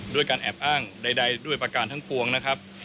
ด้วยการแอบอ้างใดด้วยประการทั้งปวงนะครับ